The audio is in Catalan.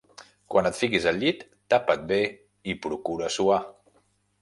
Quan et fiquis al llit, tapa't bé i procura suar.